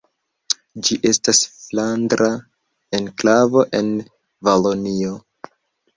Ĝi estas flandra enklavo en Valonio.